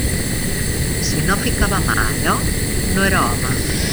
Si no ficava mà a allò, no era home!